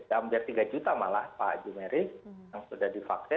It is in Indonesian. hampir tiga juta malah pak jumeri yang sudah divaksin